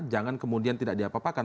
jangan kemudian tidak diapapakan